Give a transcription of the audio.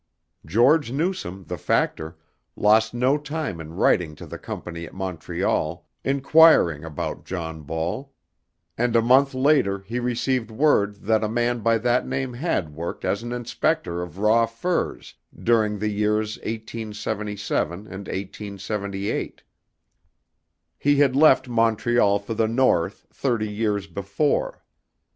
George Newsome, the factor, lost no time in writing to the Company at Montreal, inquiring about John Ball, and a month later he received word that a man by that name had worked as an inspector of raw furs during the years 1877 and 1878. He had left Montreal for the North thirty years before.